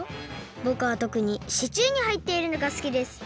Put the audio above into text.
ぼくはとくにシチューにはいっているのがすきです。